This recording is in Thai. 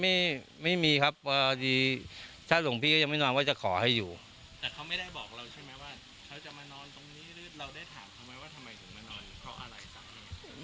แต่เขาไม่ได้บอกเราใช่ไหมว่าเขาจะมานอนตรงนี้หรือเราได้ถามเขาไหมว่าทำไมถึงมานอนเพราะอะไรสักที